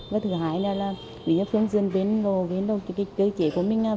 và thứ hai là phương diện về cơ chế của mình